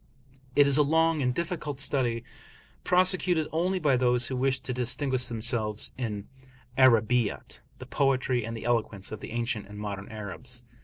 It is a long and difficult study, prosecuted only by those who wish to distinguish themselves in "Arabiyat," the poetry and the eloquence of the ancient and modern Arabs.